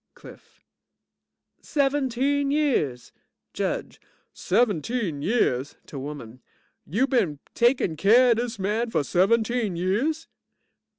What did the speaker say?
CLIFF Seventeen years JUDGE Seventeen years? (to woman) You been takin' keer of dis man for seventeen years?